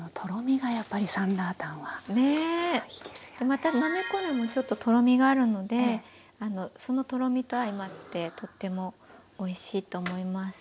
またなめこにもちょっととろみがあるのでそのとろみと相まってとってもおいしいと思います。